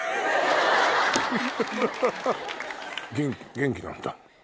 元気なんだ。